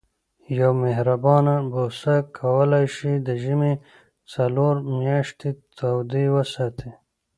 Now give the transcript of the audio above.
یوه مهربانه بوسه کولای شي د ژمي څلور میاشتې تودې وساتي.